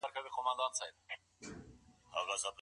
قصاص د ټولني د غړو ترمنځ د عدالت احساس راپیدا کوي.